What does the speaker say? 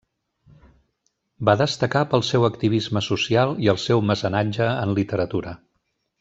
Va destacar pel seu activisme social i el seu mecenatge en literatura.